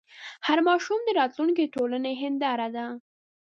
هر ماشوم د راتلونکي د ټولنې هنداره ده.